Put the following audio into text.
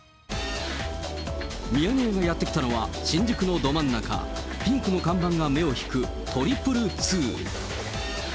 ミヤネ屋がやって来たのは、新宿のど真ん中、ピンクの看板が目を引く、２２２。